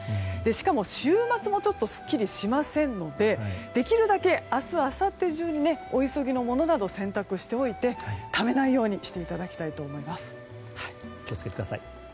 しかも、週末もちょっとすっきりしませんのでできるだけ、明日あさって中にお急ぎのものなどは洗濯しておいて、ためないようにしていただきたいと思います。